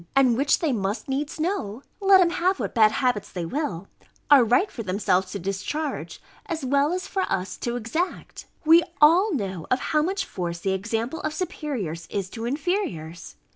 and which, they must needs know (let 'em have what bad habits they will) are right for themselves to discharge, as well as for us to exact. We all know of how much force the example of superiors is to inferiors.